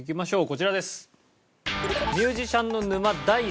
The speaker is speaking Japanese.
こちらです。